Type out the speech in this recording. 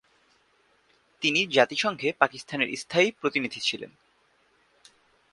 তিনি জাতিসংঘে পাকিস্তানের স্থায়ী প্রতিনিধি ছিলেন।